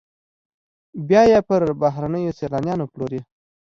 بیا یې پر بهرنیو سیلانیانو پلوري